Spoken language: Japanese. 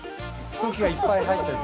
空気がいっぱい入っている。